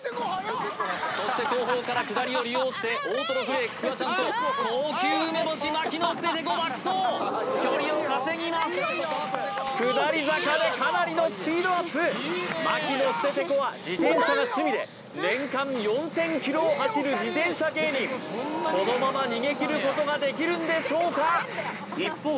そして後方から下りを利用して大とろフレークフワちゃんと高級梅干し牧野ステテコ爆走距離を稼ぎます下り坂でかなりのスピードアップ牧野ステテコは自転車が趣味で年間４０００ｋｍを走る自転車芸人このまま逃げ切ることができるんでしょうか一方